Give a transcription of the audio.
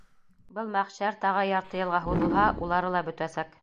Был мәхшәр тағы ярты йылға һуҙылһа, улары ла бөтәсәк.